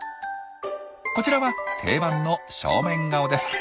こちらは定番の正面顔です。